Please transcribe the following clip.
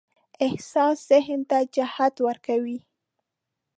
احساس ذهن ته جهت ورکوي.